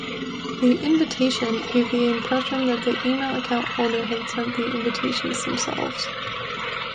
The “invitation” gave the impression that the email account holder had sent the invitation themselves.